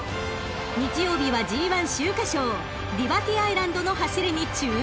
［日曜日はＧⅠ秋華賞リバティアイランドの走りに注目！］